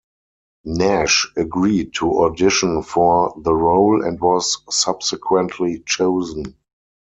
Nash agreed to audition for the role, and was subsequently chosen.